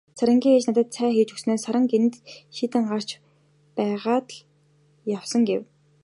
Сарангийн ээж надад цай хийж өгснөө "Саран гэнэт шийдэн яарч байгаад л явсан" гэв.